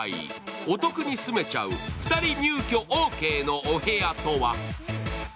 お得に住めちゃう２人入居ＯＫのお部屋とは？